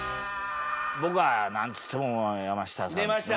僕はなんつっても山下さんですね。